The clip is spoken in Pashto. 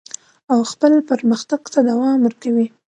او خپل پرمختګ ته دوام ورکوي.